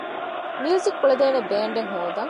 މިއުޒިކް ކުޅޭދޭނެ ބޭންޑެއް ހޯދަން